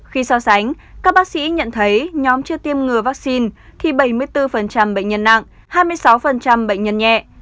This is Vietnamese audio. khi so sánh các bác sĩ nhận thấy nhóm chưa tiêm ngừa vaccine thì bảy mươi bốn bệnh nhân nặng hai mươi sáu bệnh nhân nhẹ